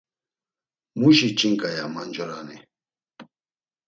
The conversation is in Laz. “Muşi ç̌inǩa!” ya mancurani.